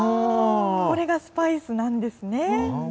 これがスパイスなんですね。